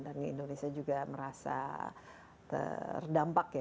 dan indonesia juga merasa terdampak ya